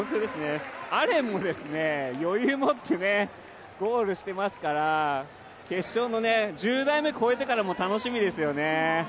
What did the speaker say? アレンも余裕持ってゴールしていますから決勝の１０台目越えてからも楽しみですよね。